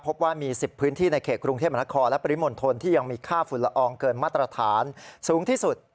พบว่ามี๑๐พื้นที่ในเขตกรุงเทพมหานครและปริมณฑลที่ยังมีค่าฝุ่นละอองเกินมาตรฐานสูงที่สุด